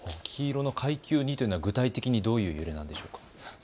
黄色の階級２というのは具体的にどういう揺れなんでしょうか。